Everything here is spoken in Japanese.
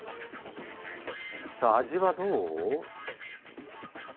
さあ味はどう？